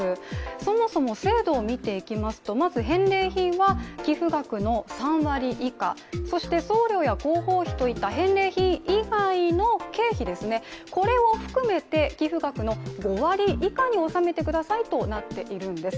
そもそも制度を見ていきますと、まず返礼品は寄付額の３割以下、そして送料や広報費といった返礼品以外の経費、これを含めて、寄付額の５割以下におさめてくださいとなっているんです。